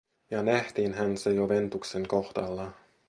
Ja nähtiinhän se jo Ventuksen kohdalla.